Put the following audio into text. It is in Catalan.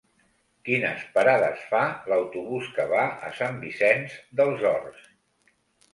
Quines parades fa l'autobús que va a Sant Vicenç dels Horts?